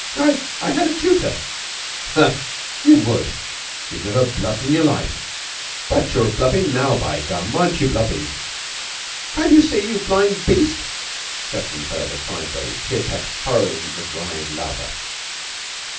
"I I had a tutor." "Yah! You would. You never blubbed in your life. But you're blubbin' now, by gum. Aren't you blubbin'?" "Can't you see, you blind beast?" Sefton fell over sideways, tear tracks furrowing the dried lather.